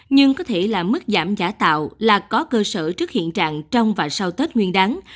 nhưng có thể là mức giảm giả tạo là có cơ sở trước hiện trạng trong và sau tết nguyên đáng